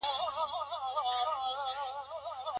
ورزش د روغتیا لپاره څه ګټه لري؟